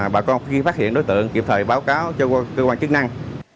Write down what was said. bà con khi phát hiện đối tượng kịp thời báo cáo cho cơ quan chức năng